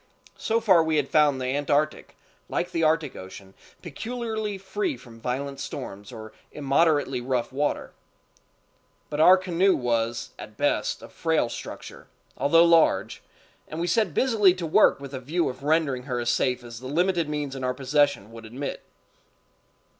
So far we had found the Antarctic, like the Arctic Ocean, peculiarly free from violent storms or immoderately rough water; but our canoe was, at best, of frail structure, although large, and we set busily to work with a view of rendering her as safe as the limited means in our possession would admit.